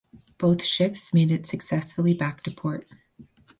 Both ships made it successfully back to port.